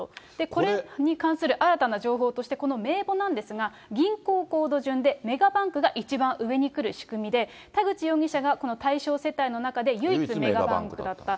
これに関する新たな情報として、この名簿なんですが、銀行コード順で、メガバンクが一番上に来る仕組みで、田口容疑者がこの対象世帯の中で唯一メガバンクだった。